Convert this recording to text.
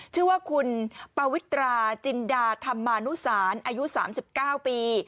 ชื่อว่าคุณปวิตราจินดาธรรมานุสารอายุ๓๙ปี